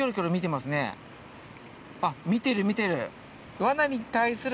あっ見てる見てる。